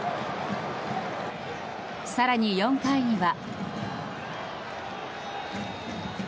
更に４回には。